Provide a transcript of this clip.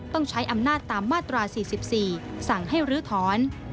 ต้องใช้อำหน้าตามมาตราสี่สิบสี่สั่งให้รื้อถอน